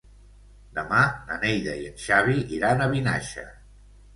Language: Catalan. Demà na Neida i en Xavi iran a Vinaixa.